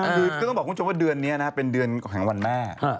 คือก็ต้องบอกคุณผู้ชมว่าเดือนนี้นะเป็นเดือนแห่งวันแม่